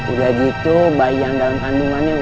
udah gitu bayi yang dalam kandungannya umurnya delapan bulan